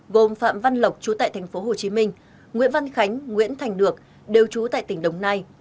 gồm phạm văn lộc chú tại tp hcm nguyễn văn khánh nguyễn thành được đều trú tại tỉnh đồng nai